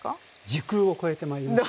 「時空」を超えてまいります。